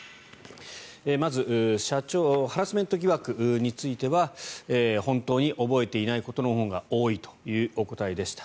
まずハラスメント疑惑については本当に覚えていないことのほうが多いというお答えでした。